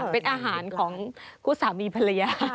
เป็นอาหารของคู่สามีภรรยา